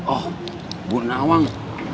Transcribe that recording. oh bu nawang